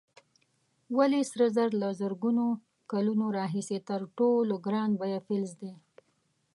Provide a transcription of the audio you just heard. ولې سره زر له زرګونو کلونو راهیسې تر ټولو ګران بیه فلز دی؟